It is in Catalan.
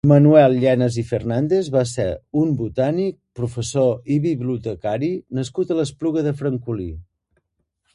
Manuel Llenas i Fernández va ser un botànic, professor i bibliotecari nascut a l'Espluga de Francolí.